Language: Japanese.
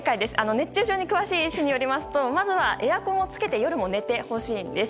熱中症に詳しい医師によりますとまずはエアコンをつけて夜も寝てほしいんです。